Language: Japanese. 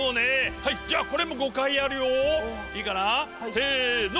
はいじゃあこれも５回やるよ。いいかな？せの！